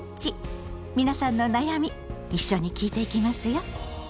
皆さんの悩み一緒に聞いていきますよ。